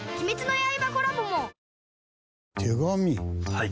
はい。